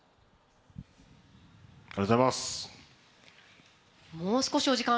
ありがとうございます。